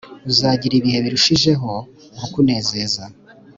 uzagira ibihe birushijeho kukunezeza